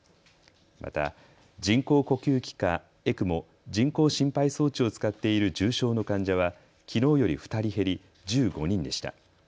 また人工呼吸器かＥＣＭＯ・人工心肺装置を使っている重症の患者はきのうより２人減り１５人でした。